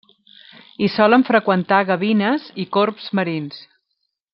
Hi solen freqüentar gavines i corbs marins.